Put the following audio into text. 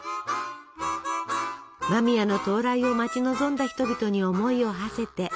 間宮の到来を待ち望んだ人々に思いをはせて。